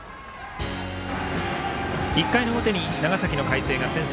１回の表、長崎の海星が先制。